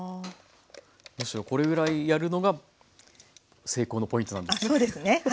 むしろこれぐらいやるのが成功のポイントなんですね。